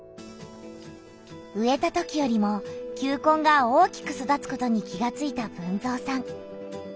植えたときよりも球根が大きく育つことに気がついた豊造さん。